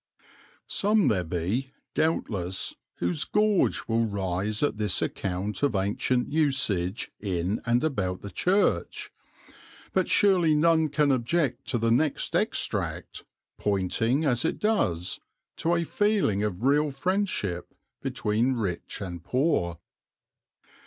Some there be, doubtless, whose gorge will rise at this account of ancient usage in and about the church, but surely none can object to the next extract, pointing as it does to a feeling of real friendship between rich and poor.